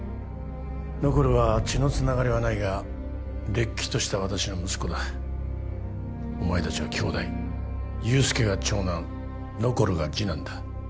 ノコルは血のつながりはないがれっきとした私の息子だお前達は兄弟憂助が長男ノコルが次男だ